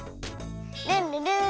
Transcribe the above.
ルンルルーン。